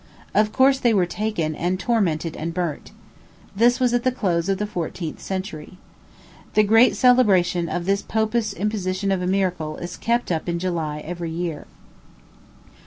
Of course, they were taken, and tormented, and burnt. This was at the close of the fourteenth century. The great celebration of this Popish imposition of a miracle is kept up in July every year.